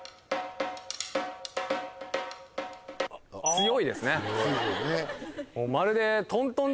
強いですね